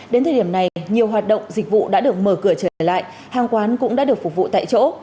đến thời điểm này nhiều hoạt động dịch vụ đã được mở cửa trở lại hàng quán cũng đã được phục vụ tại chỗ